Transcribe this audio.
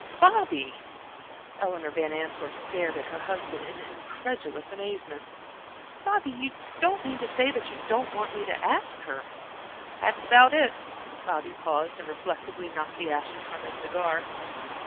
"Bobby," Eleanor Van Antwerp stared at her husband in incredulous amazement. "Bobby, you don't mean to say that you don't want me to ask her?" "That's about it." Bobby paused and reflectively knocked the ashes from his cigar.